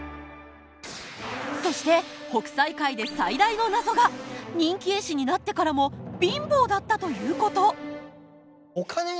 そして北斎回で最大の謎が人気絵師になってからも貧乏だったということ。